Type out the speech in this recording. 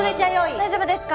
大丈夫ですか？